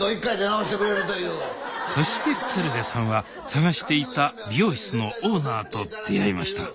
そして鶴瓶さんは探していた美容室のオーナーと出会いました